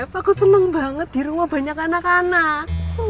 ihh beb aku seneng banget di rumah banyak anak anak